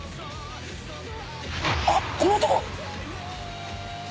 あっこの男！